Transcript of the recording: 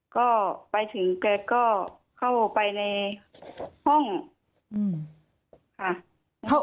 ก็ไปถึงแกก็เข้าไปในห้องค่ะ